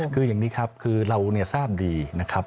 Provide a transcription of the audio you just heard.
คืออย่างนี้ครับคือเราทราบดีนะครับ